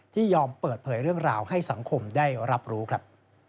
ยอมเปิดเผยเรื่องราวให้สังคมได้รับรู้ครับ